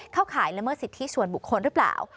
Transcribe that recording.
ข่ายละเมิดสิทธิส่วนบุคคลหรือเปล่า